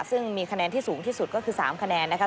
ซึ่งมีคะแนนที่สูงที่สุดก็คือ๓คะแนนนะคะ